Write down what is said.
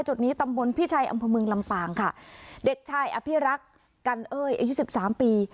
จุดนี้ตำบลพิชัยอำเภอเมืองลำปางค่ะเด็กชายอภิรักษ์กันเอ้ยอายุสิบสามปี